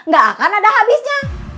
gak akan ada habisnya